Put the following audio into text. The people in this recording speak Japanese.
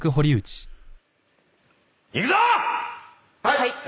はい！